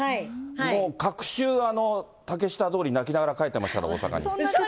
もう隔週、あの竹下通り泣きながら帰ってましたから、大阪に。